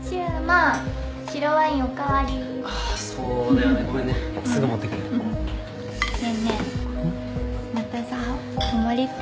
あっ。